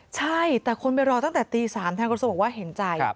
ใช่แต่คนไปรอตั้งแต่ตี๓ทางกระทรวงบอกว่าเห็นใจ